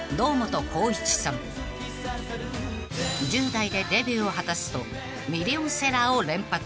［１０代でデビューを果たすとミリオンセラーを連発］